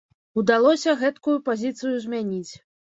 Удалося гэткую пазіцыю змяніць.